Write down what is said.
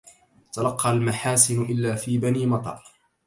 تلقى المحاسن إلا في بني مطر